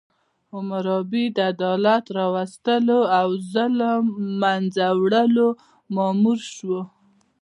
حموربي د عدالت راوستلو او ظلم له منځه وړلو مامور شو.